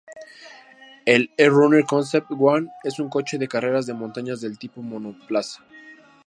El E-Runner Concept_One es un coche de carreras de montaña del tipo monoplaza.